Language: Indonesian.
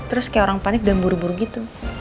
terus kayak orang panik dan buru buru gitu